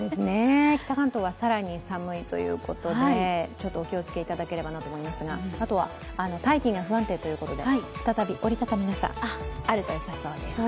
北関東は更に寒いということで、ちょっとお気をつけいただければなと思いますが、あとは大気が不安定ということで、再び折り畳み傘あるとよさそうです。